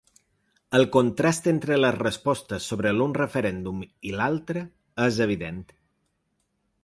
El contrast entre les respostes sobre l’un referèndum i l’altre és evident.